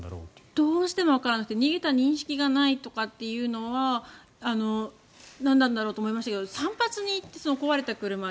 どうしてもわからなくて逃げた認識がないというのはなんなんだろうと思いましたが散髪に行って、壊れた車で。